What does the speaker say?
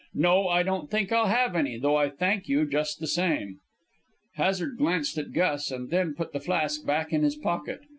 No, I don't think I'll have any, though I thank you just the same." Hazard glanced at Gus and then put the flask back in his pocket.